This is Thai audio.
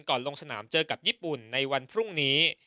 ลงสนามเจอกับญี่ปุ่นในวันพรุ่งนี้